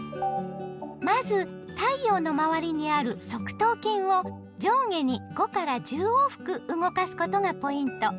まず太陽の周りにある側頭筋を上下に５１０往復動かすことがポイント。